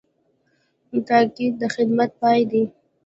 تقاعد د خدمت پای دی